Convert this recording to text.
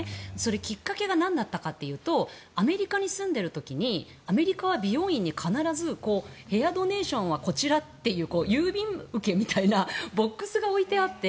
きっかけがなんだったかというとアメリカに住んでいる時にアメリカは美容院に必ずヘアドネーションはこちらという郵便受けみたいなボックスが置いてあって。